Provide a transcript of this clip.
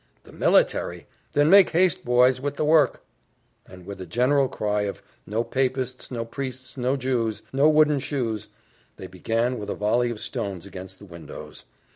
"The military! then make haste, boys, with the work." And with a general cry of "No papists! no priests! no Jews! no wooden shoes!" they began with a volley of stones against the windows.